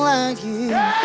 untuk tidak berbohong lagi